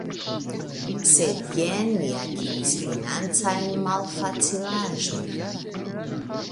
Sed jen ni akiris financajn malfacilaĵojn.